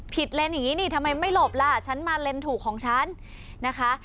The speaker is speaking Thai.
เลนส์อย่างนี้นี่ทำไมไม่หลบล่ะฉันมาเลนถูกของฉันนะคะ